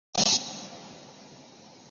博内埃。